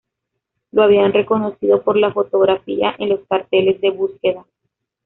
Lo habían reconocido por la fotografía en los carteles de búsqueda.